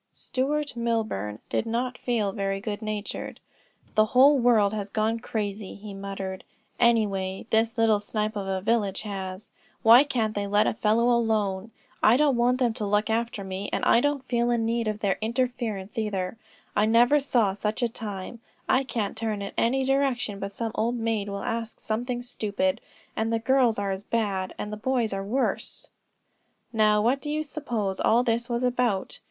Stuart Milburn did not feel very good natured. "The whole world has gone crazy," he muttered; "anyway this little snipe of a village has. Why can't they let a fellow alone? I don't want them to look after me, and I don't feel in need of their interference either. I never saw such a time; I can't turn in any direction but some old maid will ask me something stupid; and the girls are as bad, and the boys are worse." Now, what do you suppose all this was about?